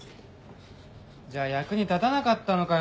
じゃあ役に立たなかったのかよ